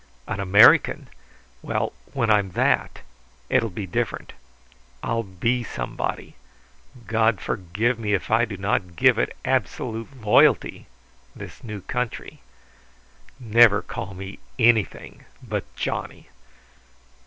An American! Well, when I'm that it will be different; I'll be somebody. God forgive me if I do not give it absolute loyalty, this new country!... Never call me anything but Johnny."